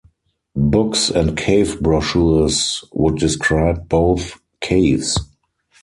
Books and cave brochures would describe both caves.